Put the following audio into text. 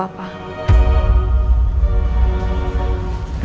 sampai akhirnya aku tau kalau